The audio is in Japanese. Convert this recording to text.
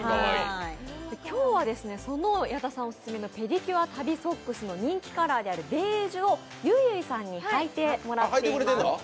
今日は矢田さんオススメのペディキュア足袋ソックスの人気カラーであるベージュをゆいゆいさんに履いてもらっています。